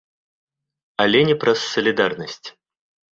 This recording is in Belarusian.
Але не праз салідарнасць.